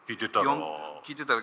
聴いてたら。